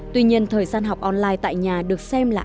tuy nhiên thời gian học online tại nhà được xem là